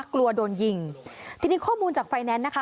กลัวโดนยิงทีนี้ข้อมูลจากไฟแนนซ์นะคะ